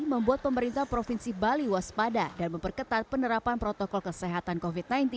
membuat pemerintah provinsi bali waspada dan memperketat penerapan protokol kesehatan covid sembilan belas